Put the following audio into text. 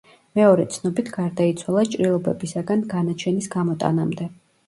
მეორე ცნობით გარდაიცვალა ჭრილობებისაგან განაჩენის გამოტანამდე.